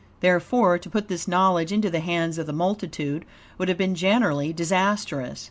Therefore, to put this knowledge into the hands of the multitude would have been generally disastrous.